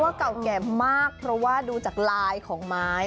เก่าแก่มากเพราะว่าดูจากลายของไม้